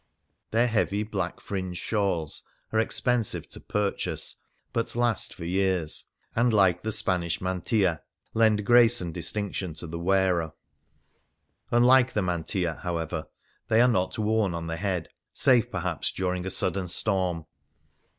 Their heavy, black, fringed shawls are expensive to purchase, but last for years, and, like the Spanish mantilla, lend grace and distinction to the wearer. Un 141 Things Seen in Venice like the mantilla, however, they are not worn on the head, save, perhaps, during a sudden storm.